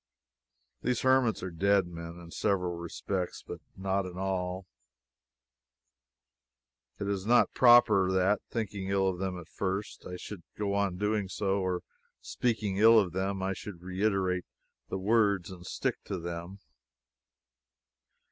These hermits are dead men, in several respects, but not in all; and it is not proper, that, thinking ill of them at first, I should go on doing so, or, speaking ill of them I should reiterate the words and stick to them.